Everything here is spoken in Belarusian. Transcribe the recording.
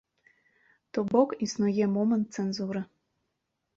То бок існуе момант цэнзуры.